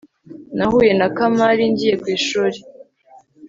nahuye na kamari ngiye ku ishuri